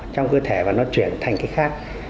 trong cơ thể và nó chuyển thành cái khác